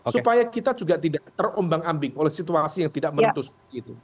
supaya kita juga tidak terombang ambing oleh situasi yang tidak menutup